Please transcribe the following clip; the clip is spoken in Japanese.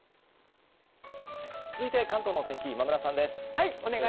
続いて、関東のお天気今村さんです。